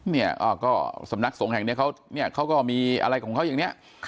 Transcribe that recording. นี่อะก็สำนักสงฆ์แห่งนี้เขาก็มีอะไรของเขาอย่างเนี่ย